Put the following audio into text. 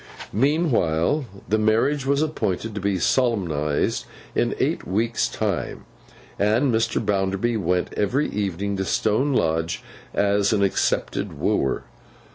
Meanwhile the marriage was appointed to be solemnized in eight weeks' time, and Mr. Bounderby went every evening to Stone Lodge as an accepted wooer.